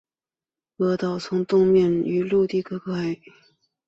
鹅岛从东面与陆地隔开。